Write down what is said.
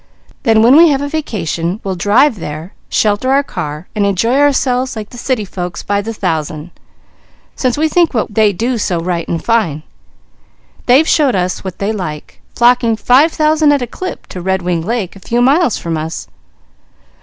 Then when we have a vacation, we'll drive there, shelter our car, and enjoy ourselves like the city folks by the thousand, since we think what they do so right and fine. They've showed us what they like, flocking five thousand at a clip, to Red Wing Lake a few miles from us.